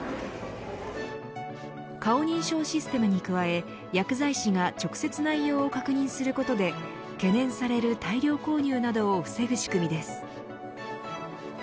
顔認証システムに加え薬剤師が直接内容を確認することで懸念される大量購入などを防ぐ仕組みです。